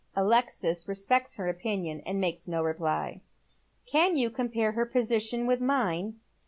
Alexis respects her opinion, and makes no reply. " Can you compare her position with mine